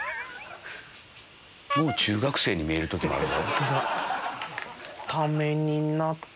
もう中学生に見える時もある。